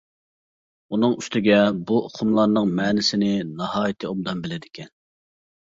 ئۇنىڭ ئۈستىگە بۇ ئۇقۇملارنىڭ مەنىسىنى ناھايىتى ئوبدان بىلىدىكەن.